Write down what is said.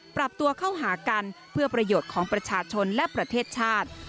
ปรับตัวเข้าหากันเพื่อประโยชน์ของประชาชนและประเทศชาติ